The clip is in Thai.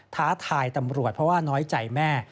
ท้าทายตำรวจเพราะว่าน้อยใจแม่